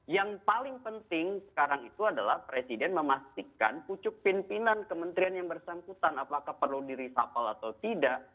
yang paling penting sekarang itu adalah presiden memastikan pucuk pimpinan kementerian yang bersangkutan apakah perlu di reshuffle atau tidak